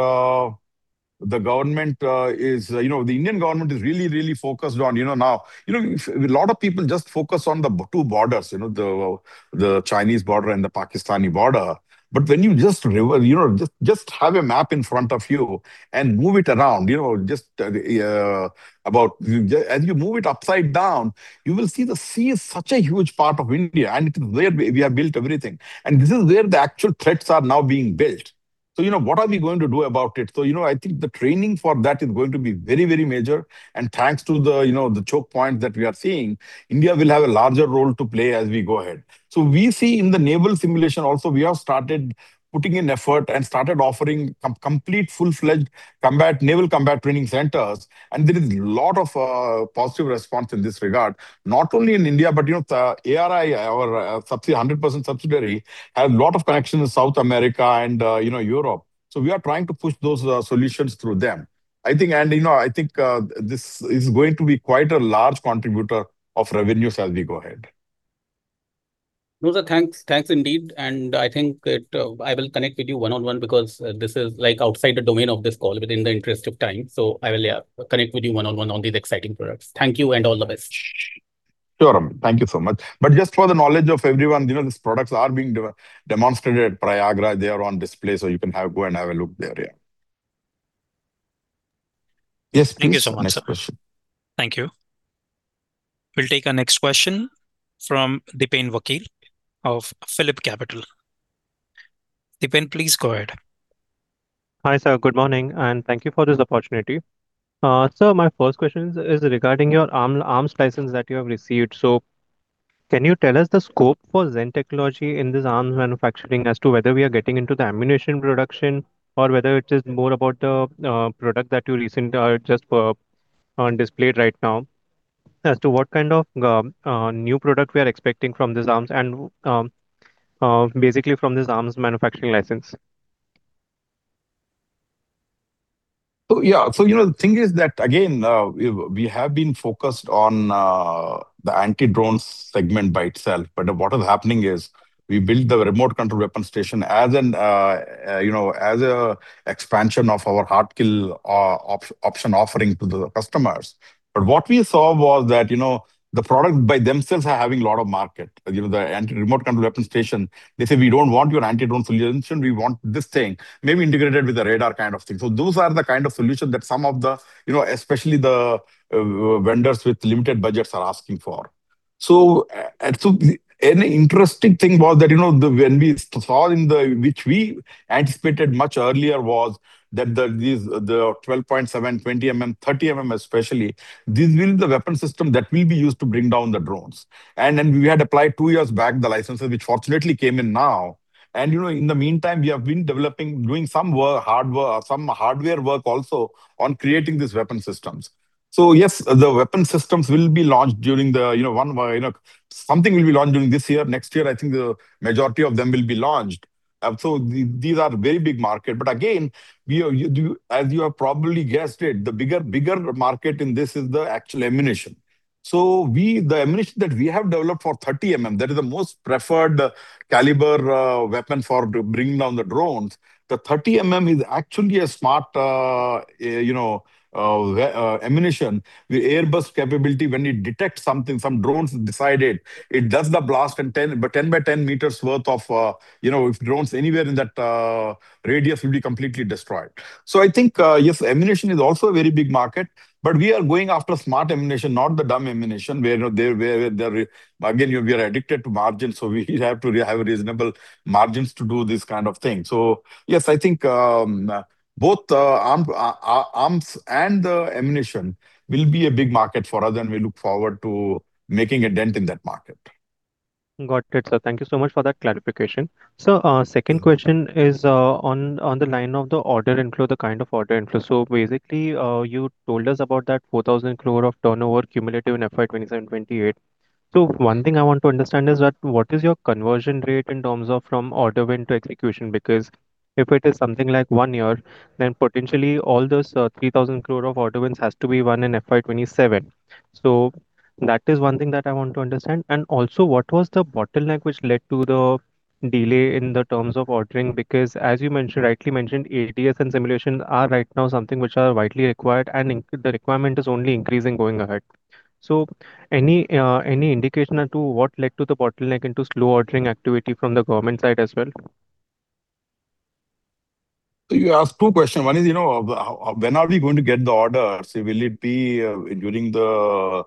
the government is, you know, the Indian government is really, really focused on, you know, now. You know, a lot of people just focus on the two borders, you know, the Chinese border and the Pakistani border. When you just, you know, just have a map in front of you and move it around, you know, about as you move it upside down, you will see the sea is such a huge part of India, and it's where we have built everything. This is where the actual threats are now being built. You know, what are we going to do about it? You know, I think the training for that is going to be very, very major. Thanks to the, you know, the choke point that we are seeing, India will have a larger role to play as we go ahead. We see in the naval simulation also, we have started putting in effort and started offering complete full-fledged combat, naval combat training centers. There is lot of positive response in this regard, not only in India, but, you know, the ARI, our 100% subsidiary, have lot of connections in South America and, you know, Europe. We are trying to push those solutions through them. I think, and, you know, I think, this is going to be quite a large contributor of revenues as we go ahead. No, sir. Thanks. Thanks indeed. I think that I will connect with you one-on-one, because this is, like, outside the domain of this call within the interest of time. I will, yeah, connect with you one-on-one on these exciting products. Thank you, and all the best. Sure, Amit. Thank you so much. Just for the knowledge of everyone, you know, these products are being demonstrated at Prayagraj. They are on display, you can go and have a look there, yeah. Yes, please. Next question. Thank you so much, sir. Thank you. We'll take our next question from Dipen Vakil of PhillipCapital. Dipen, please go ahead. Hi, sir. Good morning, and thank you for this opportunity. My first question is regarding your arms license that you have received. Can you tell us the scope for Zen Technologies in this arms manufacturing as to whether we are getting into the ammunition production or whether it is more about the product that you recent just on display right now? As to what kind of new product we are expecting from this arms and basically from this arms manufacturing license. Yeah. You know, the thing is that again, we have been focused on the anti-drone segment by itself. What is happening is we built the remote control weapon station as an, you know, as an expansion of our Hard-kill option offering to the customers. What we saw was that, you know, the product by themselves are having a lot of market. You know, the anti-remote control weapon station, they say, "We don't want your anti-drone solution. We want this thing maybe integrated with a radar kind of thing." Those are the kind of solution that some of the, you know, especially the vendors with limited budgets are asking for. An interesting thing was that when we saw in the, which we anticipated much earlier was that these, the 12.7mm, 20mm, 30mm especially, these will be the weapon system that will be used to bring down the drones. We had applied two years back the licenses, which fortunately came in now. In the meantime, we have been developing, doing some work, some hardware work also on creating these weapon systems. Yes, the weapon systems will be launched during the, one, something will be launched during this year. Next year, I think the majority of them will be launched. These are very big market. Again, as you have probably guessed it, the bigger market in this is the actual ammunition. The ammunition that we have developed for 30 mm, that is the most preferred caliber weapon for to bring down the drones. The 30 mm is actually a smart, you know, ammunition. The airburst capability, when it detects something from drones, decide it does the blast and 10-by-10 by-10 meters worth of, you know, if drones anywhere in that radius will be completely destroyed. I think, yes, ammunition is also a very big market, but we are going after smart ammunition, not the dumb ammunition where, you know, they. Again, you know, we are addicted to margins, so we have to have reasonable margins to do this kind of thing. Yes, I think, both arms and the ammunition will be a big market for us, and we look forward to making a dent in that market. Got it, sir. Thank you so much for that clarification. Sir, second question is on the line of the order inflow, the kind of order inflow. You told us about that 4,000 crore of turnover cumulative in FY 2027/2028. One thing I want to understand is that what is your conversion rate in terms of from order win to execution? If it is something like one year, then potentially all those 3,000 crore of order wins has to be won in FY 2027. That is one thing that I want to understand. What was the bottleneck which led to the delay in the terms of ordering? As you mentioned, rightly mentioned, ADS and simulation are right now something which are widely required, and the requirement is only increasing going ahead. Any indication as to what led to the bottleneck and to slow ordering activity from the government side as well? You asked two question. One is, you know, when are we going to get the orders? Will it be during the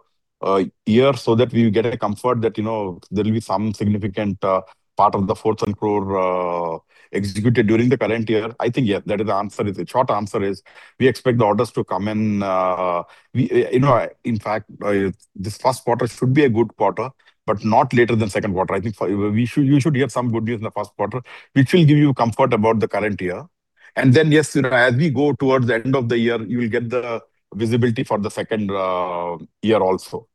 year so that we get a comfort that, you know, there'll be some significant part of the 4,000 crore executed during the current year? I think, yeah, that is the answer. The short answer is we expect the orders to come. You know, in fact, this first quarter should be a good quarter, but not later than second quarter. I think for you should hear some good news in the first quarter, which will give you comfort about the current year. Yes, you know, as we go towards the end of the year, you will get the visibility for the second year also.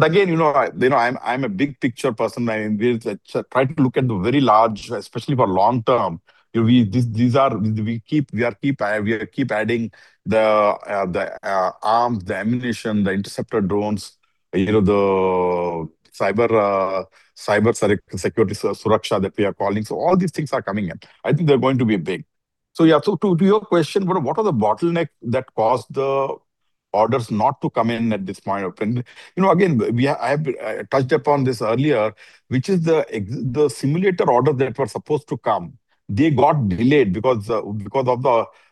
Again, you know, I'm a big picture person. We try to look at the very large, especially for long term. These are, we are keep adding the arms, the ammunition, the interceptor drones, you know, the cyber security Suraksha that we are calling. All these things are coming in. I think they're going to be big. Yeah, so to your question, what are the bottleneck that caused the orders not to come in at this point of. Again, I have touched upon this earlier, which is the simulator orders that were supposed to come, they got delayed because of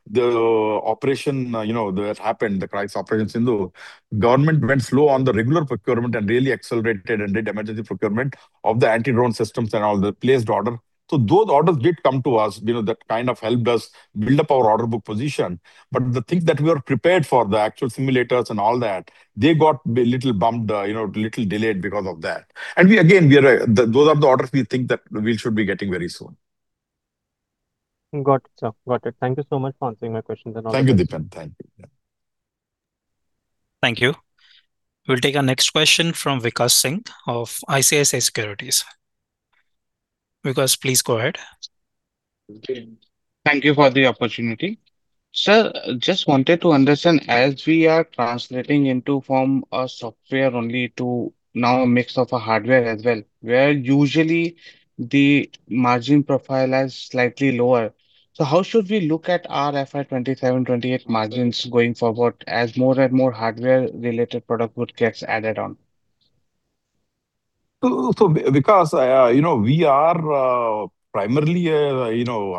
the operation that happened, the Crisis Operation Sindoor. Government went slow on the regular procurement and really accelerated and did emergency procurement of the anti-drone systems and all the placed order. Those orders did come to us. You know, that kind of helped us build up our order book position. The things that we were prepared for, the actual simulators and all that, they got a little bumped, you know, little delayed because of that. We again, we are. Those are the orders we think that we should be getting very soon. Got it, sir. Got it. Thank you so much for answering my questions and all- Thank you, Dipen. Thank you. Yeah. Thank you. We'll take our next question from Vikash Singh of ICICI Securities. Vikash, please go ahead. Okay. Thank you for the opportunity. Sir, just wanted to understand, as we are translating from a software only to now a mix of a hardware as well, where usually the margin profile is slightly lower. How should we look at our FY 2027/2028 margins going forward as more and more hardware-related product would gets added on? Because, you know, we are, primarily, you know,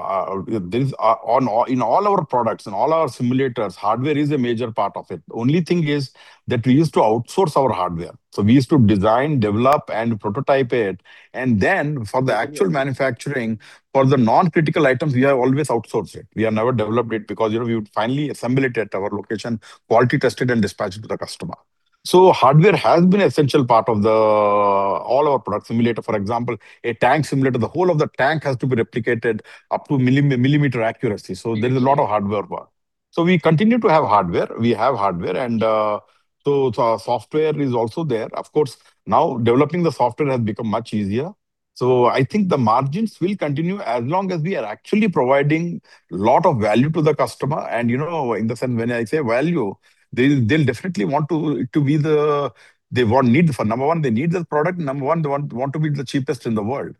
in all our products, in all our simulators, hardware is a major part of it. Only thing is that we used to outsource our hardware. We used to design, develop, and prototype it. Then for the actual manufacturing, for the non-critical items, we have always outsourced it. We have never developed it because, you know, we would finally assemble it at our location, quality test it, and dispatch it to the customer. Hardware has been essential part of all our product simulator. For example, a tank simulator, the whole of the tank has to be replicated up to millimeter accuracy. Mm. There's a lot of hardware part. We continue to have hardware. We have hardware and our software is also there. Of course, now developing the software has become much easier. I think the margins will continue as long as we are actually providing lot of value to the customer. You know, in the sense when I say value, they'll definitely want to be the. For number one, they need this product. Number one, they want to be the cheapest in the world.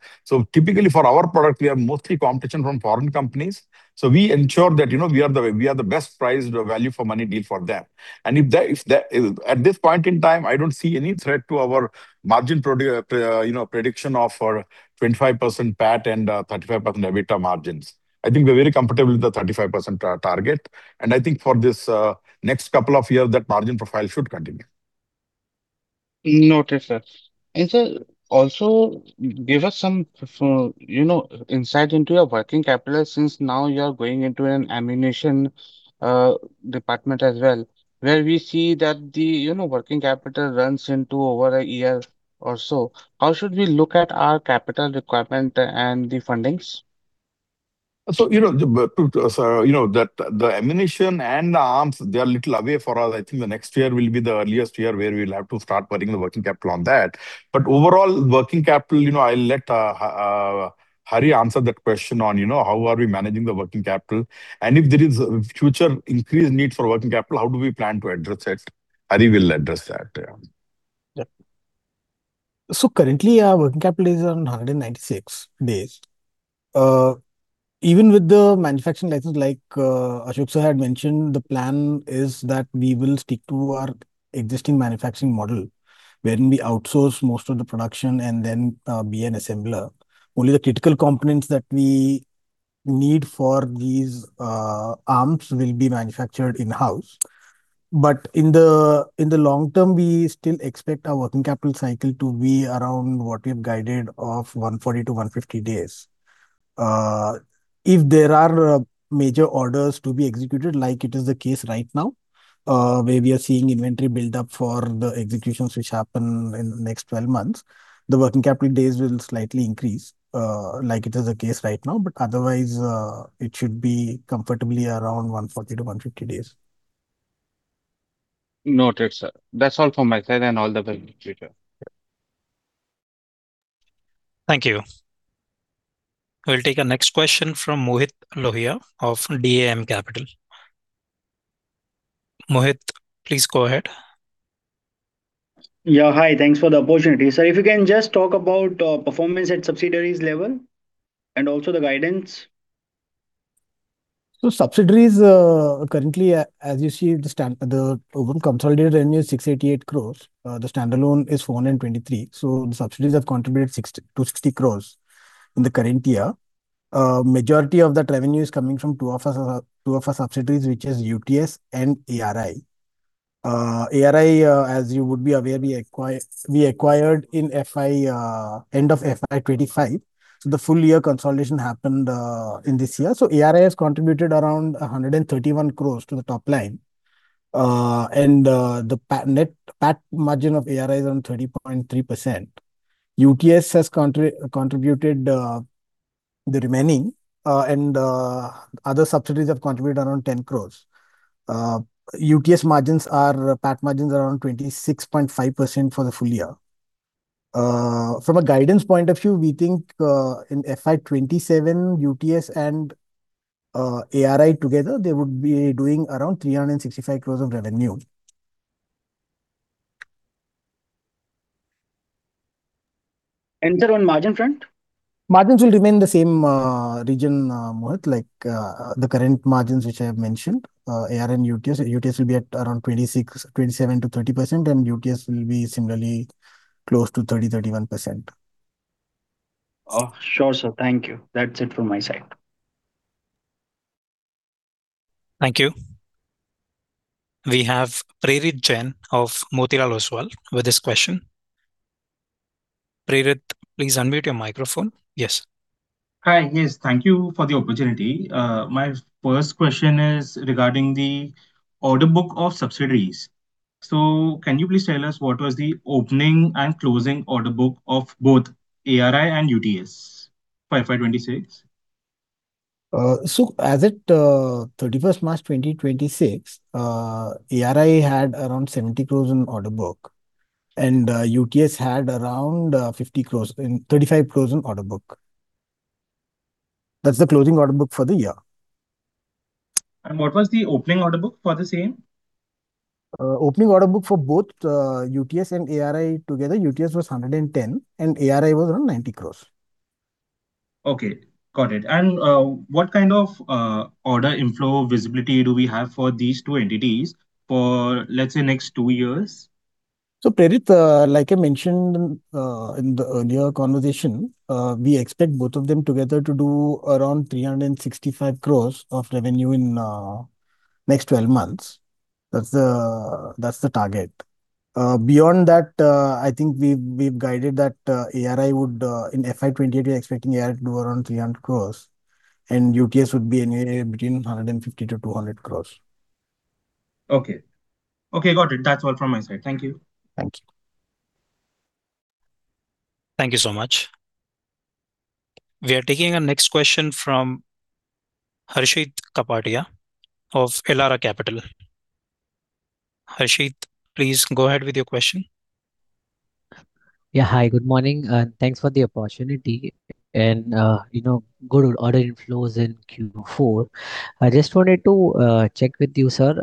Typically for our product, we have mostly competition from foreign companies. We ensure that, you know, we are the best priced value for money deal for them. At this point in time, I don't see any threat to our margin you know, prediction of our 25% PAT and 35% EBITDA margins. I think we're very comfortable with the 35% target. I think for this next couple of years that margin profile should continue. Noted, sir. Sir, also give us some, you know, insight into your working capital, since now you are going into an ammunition department as well, where we see that the, you know, working capital runs into over one year or so. How should we look at our capital requirement and the fundings? You know, the ammunition and the arms, they are a little away for us. I think the next year will be the earliest year where we'll have to start putting the working capital on that. Overall working capital, you know, I'll let Hari answer that question on, you know, how are we managing the working capital, and if there is a future increased need for working capital, how do we plan to address it? Hari will address that, yeah. Yeah. Currently, our working capital is on 196 days. Even with the manufacturing license, like, Ashok sir had mentioned, the plan is that we will stick to our existing manufacturing model, wherein we outsource most of the production and then, be an assembler. Only the critical components that we need for these, arms will be manufactured in-house. In the, in the long term, we still expect our working capital cycle to be around what we've guided of 140-150 days. If there are, major orders to be executed, like it is the case right now, where we are seeing inventory build up for the executions which happen in the next 12 months, the working capital days will slightly increase, like it is the case right now. Otherwise, it should be comfortably around 140-150 days. Noted, sir. That's all from my side, and all the best in future. Yeah. Thank you. We'll take our next question from Mohit Lohia of DAM Capital. Mohit, please go ahead. Yeah, hi. Thanks for the opportunity. If you can just talk about performance at subsidiaries level and also the guidance. Subsidiaries, currently, as you see, the overall consolidated revenue is 688 crores. The standalone is 423. The subsidiaries have contributed 60 crores in the current year. Majority of that revenue is coming from two of our subsidiaries, which is UTS and ARI. ARI, as you would be aware, we acquired in FY 2025, so the full year consolidation happened in this year. ARI has contributed around 131 crores to the top line. And the net PAT margin of ARI is around 30.3%. UTS has contributed the remaining, and other subsidiaries have contributed around 10 crores. UTS margins are, PAT margins are around 26.5% for the full year. From a guidance point of view, we think, in FY 2027, UTS and ARI together, they would be doing around 365 crores of revenue. Sir, on margin front? Margins will remain the same region, Mohit, like the current margins which I have mentioned, ARI and UTS. UTS will be at around 26%-27% to 30%, and UTS will be similarly close to 30%-31%. Sure, sir. Thank you. That's it from my side. Thank you. We have Prerit Jain of Motilal Oswal with his question. Prerit, please unmute your microphone. Yes. Hi. Yes, thank you for the opportunity. My first question is regarding the order book of subsidiaries. Can you please tell us what was the opening and closing order book of both ARI and UTS for FY 2026? As at 31st March 2026, ARI had around 70 crores in order book, and UTS had around 35 crores in order book. That's the closing order book for the year. What was the opening order book for the same? Opening order book for both UTS and ARI together, UTS was 110 crores, and ARI was around 90 crores. Okay. Got it. What kind of order inflow visibility do we have for these two entities for, let's say, next two years? Prerit, like I mentioned in the earlier conversation, we expect both of them together to do around 365 crores of revenue in next 12 months. That's the target. Beyond that, I think we've guided that ARI would in FY 2028, we're expecting ARI to do around 300 crores, and UTS would be anywhere between 150 crores-200 crores. Okay. Okay, got it. That's all from my side. Thank you. Thank you. Thank you so much. We are taking our next question from Harshit Kapadia of Elara Capital. Harshit, please go ahead with your question. Yeah, hi. Good morning, and thanks for the opportunity. You know, good order inflows in Q4. I just wanted to check with you, sir.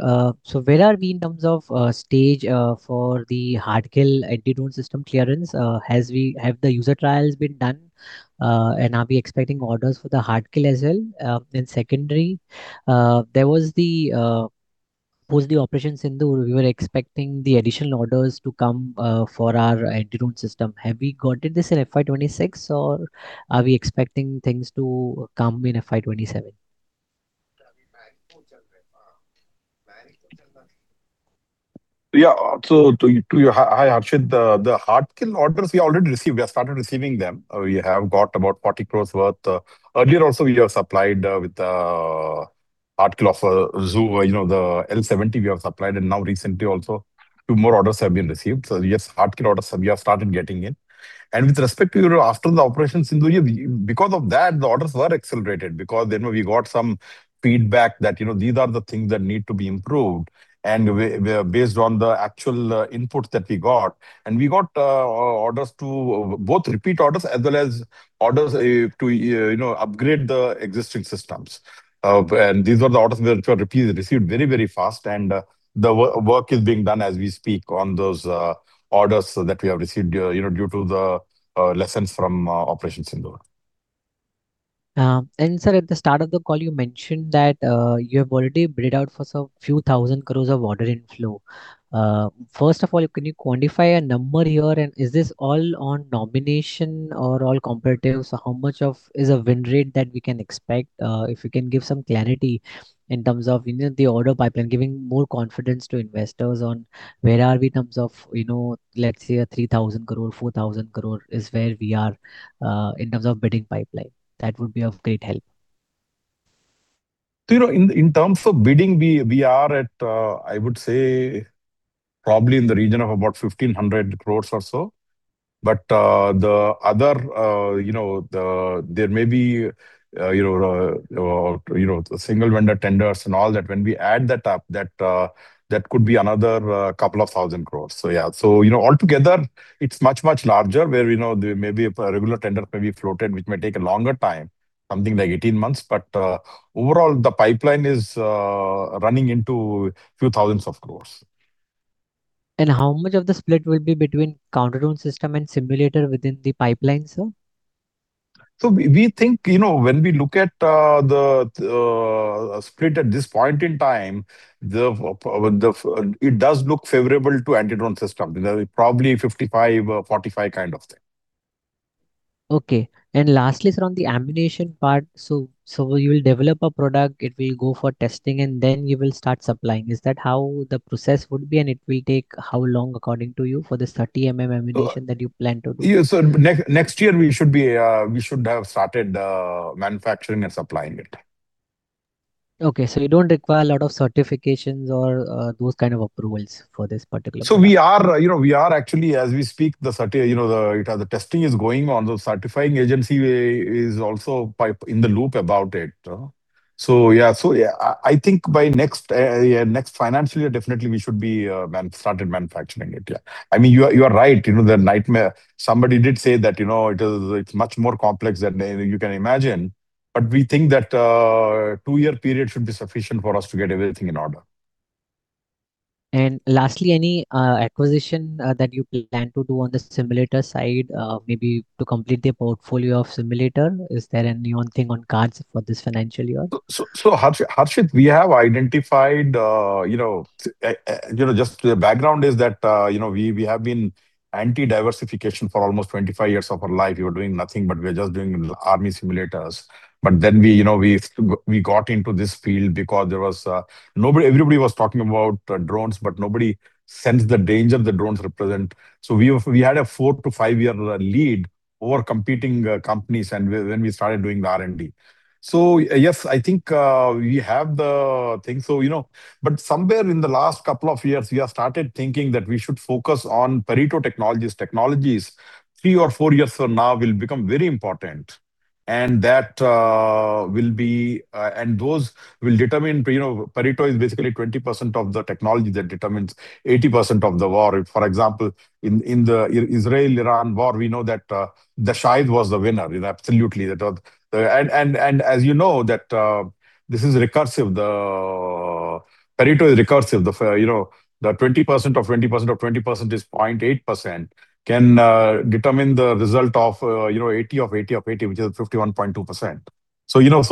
Where are we in terms of stage for the Hard-kill anti-drone system clearance? Have the user trials been done? Are we expecting orders for the Hard-kill as well? Secondary, there was the post the Operation Sindoor, we were expecting the additional orders to come for our anti-drone system. Have we gotten this in FY 2026, or are we expecting things to come in FY 2027? Hi, Harshit. The Hard-kill orders we already received. We have started receiving them. We have got about 40 crores worth. Earlier also, we have supplied with Hard-kill of ZU, the L70 we have supplied, and now recently also two more orders have been received. Yes, Hard-kill orders we have started getting in. With respect to after the Operation Sindoor, because of that, the orders were accelerated because then we got some feedback that these are the things that need to be improved, and we based on the actual input that we got. We got orders to both repeat orders as well as orders to upgrade the existing systems. These were the orders which were received very, very fast, and, the work is being done as we speak on those, orders that we have received, you know, due to the, lessons from, Operation Sindoor. Sir, at the start of the call you mentioned that you have already built out for some few thousand crore of order inflow. First of all, can you quantify a number here, and is this all on nomination or all competitive? How much of is a win rate that we can expect? If you can give some clarity in terms of, you know, the order pipeline, giving more confidence to investors on where are we in terms of, you know, let's say a 3,000 crore, 4,000 crore is where we are in terms of bidding pipeline. That would be of great help. You know, in terms of bidding, we are at, I would say probably in the region of about 1,500 crores or so. The other, you know, there may be, you know, single vendor tenders and all that. When we add that up, that could be another 2,000 crores. Yeah. You know, all together it's much, much larger where, you know, there may be a regular tender may be floated, which may take a longer time, something like 18 months. Overall, the pipeline is running into a few thousands of crores. How much of the split will be between counter-drone system and simulator within the pipeline, sir? We think, you know, when we look at the split at this point in time, it does look favorable to anti-drone system. You know, probably 55, 45 kind of thing. Lastly, sir, on the ammunition part. You'll develop a product, it will go for testing, and then you will start supplying. Is that how the process would be? It will take how long according to you for this 30 mm ammunition that you plan to do? Yeah. Next year we should be, we should have started manufacturing and supplying it. Okay. You don't require a lot of certifications or those kind of approvals for this. We are, actually, as we speak, the testing is going on. The certifying agency is also in the loop about it. I think by next financial year, definitely we should be started manufacturing it. I mean, you are right. The nightmare. Somebody did say that it's much more complex than you can imagine. We think that a two-year period should be sufficient for us to get everything in order. Lastly, any acquisition that you plan to do on the simulator side, maybe to complete the portfolio of simulator? Is there any one thing on cards for this financial year? Harshit, we have identified, you know, you know, just the background is that, you know, we have been anti-diversification for almost 25 years of our life. We were doing nothing, but we're just doing army simulators. We, you know, we got into this field because there was nobody. Everybody was talking about drones, but nobody sensed the danger the drones represent. We had a four-five year lead over competing companies and when we started doing the R&D. Yes, I think we have the things. You know, somewhere in the last couple of years, we have started thinking that we should focus on Pareto technologies. Technologies three or four years from now will become very important, and that will be and those will determine... You know, Pareto is basically 20% of the technology that determines 80% of the war. For example, in the Israel-Iran war, we know that the Shahed was the winner. Absolutely. And as you know that this is recursive, the Pareto is recursive. You know, the 20% of 20% of 20% is 0.8% can determine the result of, you know, 80% of 80% of 80%, which is 51.2%. You know,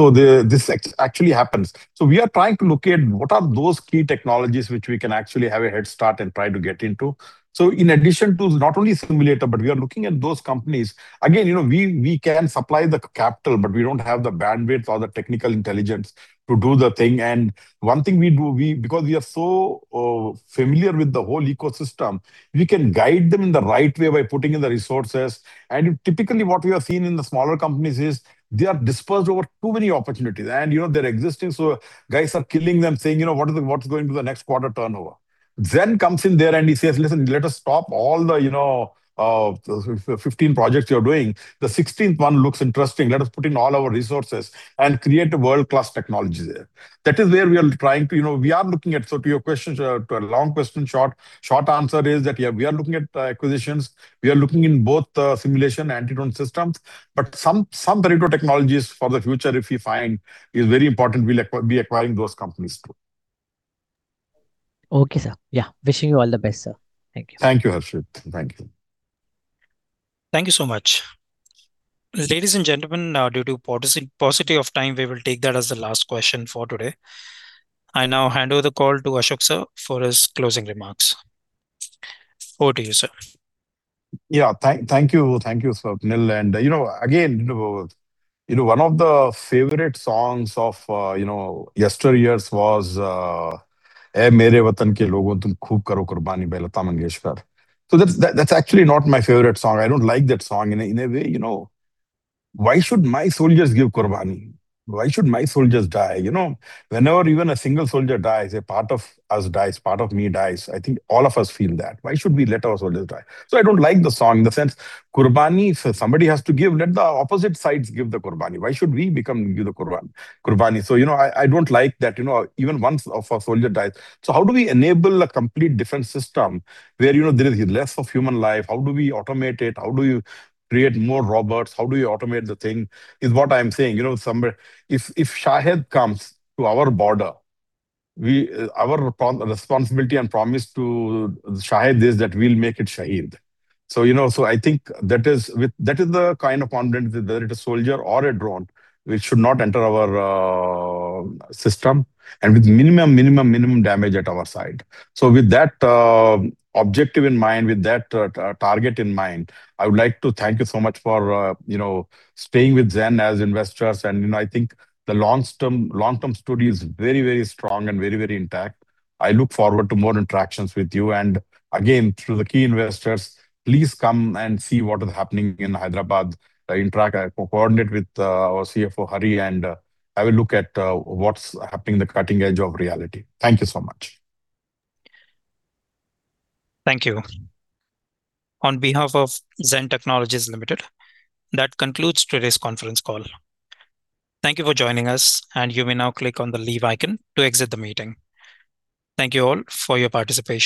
this actually happens. We are trying to locate what are those key technologies which we can actually have a head start and try to get into. In addition to not only simulator, but we are looking at those companies. You know, we can supply the capital, but we don't have the bandwidth or the technical intelligence to do the thing. One thing we do because we are so familiar with the whole ecosystem, we can guide them in the right way by putting in the resources. Typically what we have seen in the smaller companies is they are dispersed over too many opportunities and, you know, they're existing. Guys are killing them saying, you know, "What's going to the next quarter turnover?" Zen comes in there and he says, "Listen, let us stop all the, you know, 15 projects you're doing. The 16th one looks interesting. Let us put in all our resources and create a world-class technology there." That is where we are trying to, you know, we are looking at. To your question, to a long question, short answer is that, yeah, we are looking at acquisitions. We are looking in both simulation anti-drone systems. Some Pareto technologies for the future, if we find is very important, we'll be acquiring those companies too. Okay, sir. Yeah. Wishing you all the best, sir. Thank you. Thank you, Harshit. Thank you. Thank you so much. Ladies and gentlemen, due to paucity of time, we will take that as the last question for today. I now hand over the call to Ashok, Sir, for his closing remarks. Over to you, Sir. Thank you. Thank you, Swapnil. You know, again, you know, you know, one of the favorite songs of, you know, yesteryears was, "Ae Mere Watan Ke Logon Tum Khoon Karo Kurbaani" by Lata Mangeshkar. That's actually not my favorite song. I don't like that song. In a way, you know, why should my soldiers give Kurbaani? Why should my soldiers die? You know, whenever even a single soldier dies, a part of us dies, part of me dies. I think all of us feel that. Why should we let our soldiers die? I don't like the song in the sense Kurbaani, if somebody has to give, let the opposite sides give the Kurbaani. Why should we give the Kurbaani? You know, I don't like that, you know, even one of our soldier dies. How do we enable a complete defense system where, you know, there is less of human life? How do we automate it? How do you create more robots? How do you automate the thing? Is what I'm saying. You know, if Shahed comes to our border, our responsibility and promise to Shahed is that we'll make it Shaheed. You know, I think that is the kind of confidence, whether it is soldier or a drone, it should not enter our system, and with minimum damage at our side. With that objective in mind, with that target in mind, I would like to thank you so much for, you know, staying with Zen as investors. You know, I think the long-term story is very, very strong and very, very intact. I look forward to more interactions with you. Again, to the key investors, please come and see what is happening in Hyderabad. Interact, coordinate with our CFO, Hari, and have a look at what's happening in the cutting edge of reality. Thank you so much. Thank you. On behalf of Zen Technologies Limited, that concludes today's conference call. Thank you for joining us, and you may now click on the leave icon to exit the meeting. Thank you all for your participation.